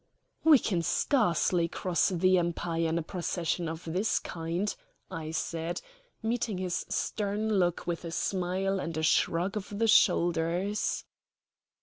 "We can scarcely cross the empire in a procession of this kind," I said, meeting his stern look with a smile and a shrug of the shoulders.